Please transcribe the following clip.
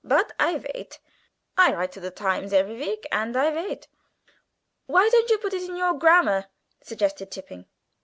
But I vait I write to ze editor every week and I vait." "Why don't you put it in your Grammar?" suggested Tipping.